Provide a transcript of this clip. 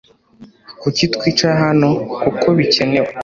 Kuki twicaye hano kuko bikenewe